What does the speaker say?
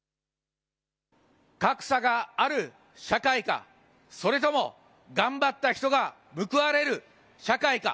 格差がある社会か、それとも頑張った人が報われる社会か。